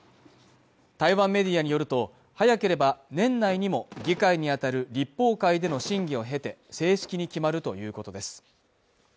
台湾メディアによると早ければ年内にも議会に当たる立法会での審議を経て正式に決まるということです